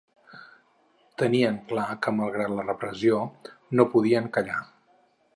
Tenien clar que, malgrat la repressió, no podien callar.